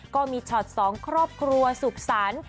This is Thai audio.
ก็มีช็อต๒ครอบครัวสุขสรรค์